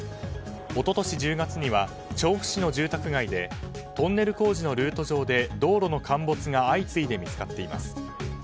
一昨年１０月には調布市の住宅街でトンネル工事のルート上で道路の陥没が相次いで見つかっています。